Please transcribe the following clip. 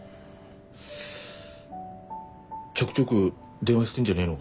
ちょくちょく電話してんじゃねえのが？